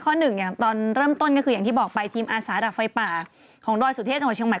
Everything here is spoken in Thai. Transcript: ข้อหนึ่งตอนเริ่มต้นก็คืออย่างที่บอกไปทีมอาสาดับไฟป่าของดรสุเทศจังหาวิทยาลัยเชียงใหม่